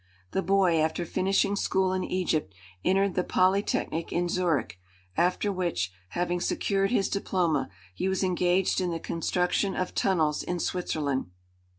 The boy, after finishing school in Egypt, entered the Polytechnic in Zurich, after which, having secured his diploma, he was engaged in the construction of tunnels in Switzerland.